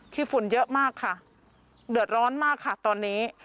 ฝุ่นเยอะมากค่ะเดือดร้อนมากค่ะตอนนี้